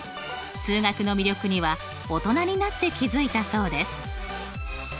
数学の魅力には大人になって気付いたそうです。